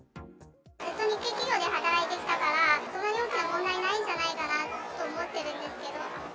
ずっと日系企業で働いてきたから、そんなに大きい問題はないんじゃないかと思ってるんですけど。